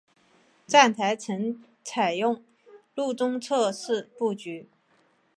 站台层采用路中侧式布局。